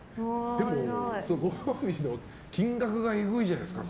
でも、ご褒美にしても金額がえぐいじゃないですか。